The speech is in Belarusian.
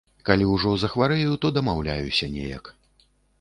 Калі ўжо захварэю, то дамаўляюся неяк.